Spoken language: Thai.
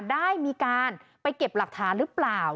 ได้มีการไปเก็บหลักฐานหรือเปล่า